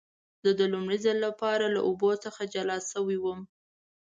زه د لومړي ځل لپاره له اوبو څخه جلا شوی وم.